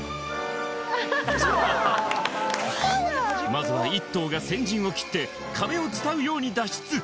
まずは１頭が先陣を切って壁をつたうように脱出